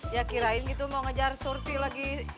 ya kirain gitu mau ngejar surfi lagi